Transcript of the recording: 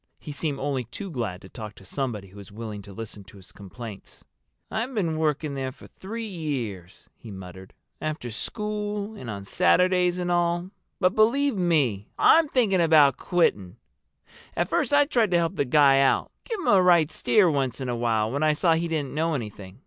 He seemed only too glad to talk to somebody who was willing to listen to his complaints. "I've been working there for three years," he muttered, "after school and on Saturdays and all. But believe me, I'm thinking about quitting. At first I tried to help the guy out—give him a right steer once in a while when I saw he didn't know anything.